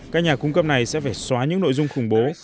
các nhà cung cấp này sẽ phải xóa những nội dung khủng bố